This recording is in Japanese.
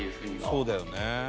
そうだよね。